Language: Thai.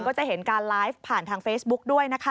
ก็จะเห็นการไลฟ์ผ่านทางเฟซบุ๊กด้วยนะคะ